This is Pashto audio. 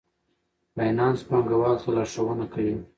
فینانس پانګوالو ته لارښوونه کوي.